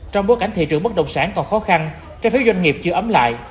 trong bối cảnh thị trường bất động sản còn khó khăn trái phiếu doanh nghiệp chưa ấm lại